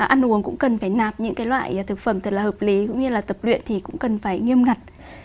ăn uống cũng cần phải nạp những cái loại thực phẩm thật là hợp lý cũng như là tập luyện thì cũng cần phải nghiêm ngặt